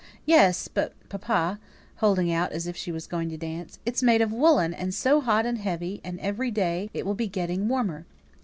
"Yes; but, papa" (holding it out as if she was going to dance), "it's made of woollen, and so hot and heavy; and every day it will be getting warmer."